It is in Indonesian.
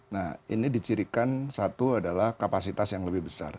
nah ini dicirikan satu adalah kapasitas yang lebih besar